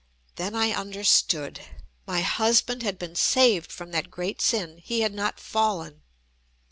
Then I understood. My husband had been saved from that great sin. He had not fallen.